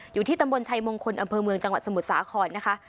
อยู่ที่ตำบลชัยมงคลอำเภอเมืองจังหวัดสมุทรสาครนะคะ